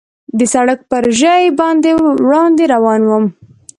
د سړک پر ژۍ باندې وړاندې روان ووم.